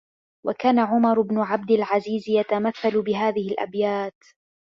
وَكَانَ عُمَرُ بْنُ عَبْدِ الْعَزِيزِ يَتَمَثَّلُ بِهَذِهِ الْأَبْيَاتِ